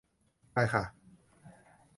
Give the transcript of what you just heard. ได้ค่ะ